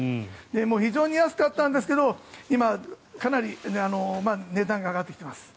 非常に安かったんですけど今、かなり値段が上がってきています。